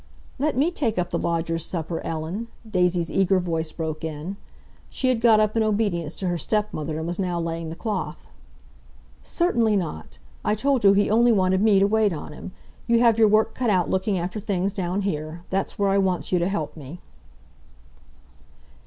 "Let me take up the lodger's supper, Ellen," Daisy's eager voice broke in. She had got up in obedience to her stepmother, and was now laying the cloth. "Certainly not! I told you he only wanted me to wait on him. You have your work cut out looking after things down here—that's where I wants you to help me."